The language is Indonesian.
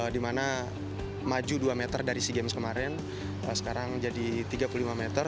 dimana maju dua meter dari sea games kemarin sekarang jadi tiga puluh lima meter